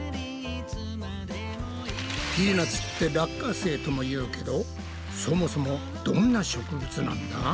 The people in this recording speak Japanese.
ピーナツって「落花生」とも言うけどそもそもどんな植物なんだ？